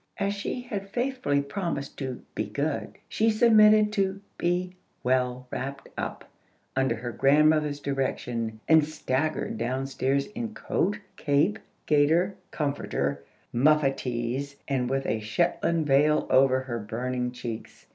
As she had faithfully promised to "be good," she submitted to be "well wrapped up," under her grandmother's direction, and staggered downstairs in coat, cape, gaiters, comforter, muffatees, and with a Shetland veil over her burning cheeks.